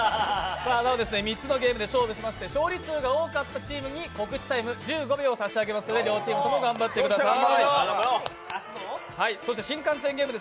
３つのゲームで勝負しまして勝利数が多かったチームに告知タイム１５秒を差し上げますので、両チームとも頑張ってください。